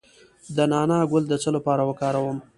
د نعناع ګل د څه لپاره وکاروم؟